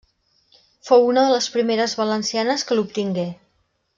Fou una de les primeres valencianes que l'obtingué.